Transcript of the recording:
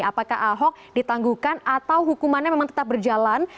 apakah ahok ditangguhkan atau hukumannya memang tetap berjalan